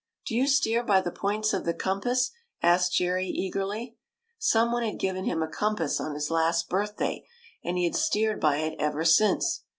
" Do you steer by the points of the compass ?" asked Jerry, eagerly. Some one had given him a compass on his last birthday, and he had steered by it ever since.